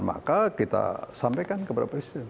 maka kita sampaikan kepada presiden